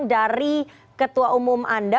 dari ketua umum anda